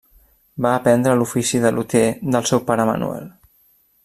Va aprendre l'ofici de lutier del seu pare Manuel.